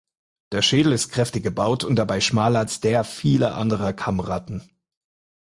Der Schädel ist kräftig gebaut und dabei schmaler als der vieler anderer Kammratten.